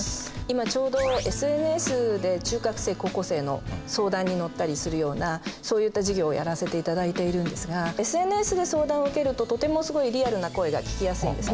今ちょうどＳＮＳで中学生高校生の相談に乗ったりするようなそういった事業をやらせていただいているんですがＳＮＳで相談を受けるととてもすごいリアルな声が聞きやすいんですね。